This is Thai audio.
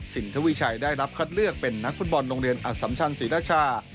ทวีชัยได้รับคัดเลือกเป็นนักฟุตบอลโรงเรียนอสัมชันศรีราชา